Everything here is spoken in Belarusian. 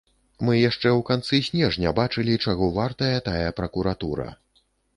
Мы яшчэ ў канцы снежня бачылі, чаго вартая тая пракуратура.